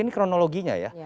ini kronologinya ya